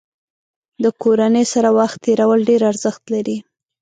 د کورنۍ سره وخت تېرول ډېر ارزښت لري.